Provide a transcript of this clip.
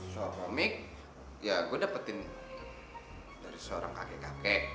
soal komik ya gue dapetin dari seorang kakek kakek